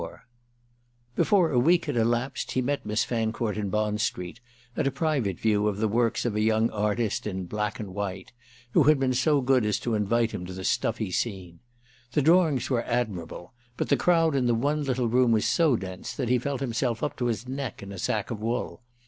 56IV Before a week had elapsed he met Miss Fancourt in Bond Street, at a private view of the works of a young artist in "black and white" who had been so good as to invite him to the stuffy scene. The drawings were admirable, but the crowd in the one little room was so dense that he felt himself up to his neck in a sack of wool.